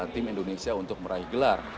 tim indonesia untuk meraih gelar